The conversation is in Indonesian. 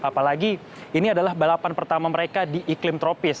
apalagi ini adalah balapan pertama mereka di iklim tropis